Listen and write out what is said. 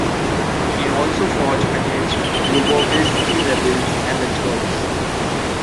He also fought against Lubomirski rebels and the Turks.